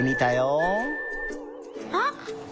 あっ！